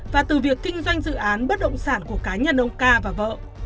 và từ việc kinh doanh dự án bất động sản của cá nhân ông ca và vợ